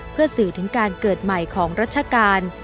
เพื่อสื่อถึงการเกิดใหม่ของรัชกาล